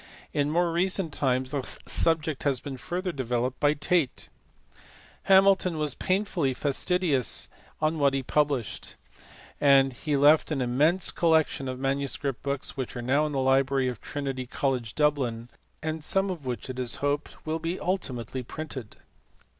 In more | recent times the subject has been further developed by Tait (aee below, p. 497). Hamilton was painfully fastidious on what he published, 476 GRASSMANN. BE MORGAN. and he left an immense collection of manuscript books which are now in the library of Trinity College, Dublin, and some of which it is to be hoped will be ultimately printed.